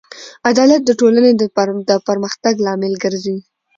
عدالت د ټولنې د پرمختګ لامل ګرځي.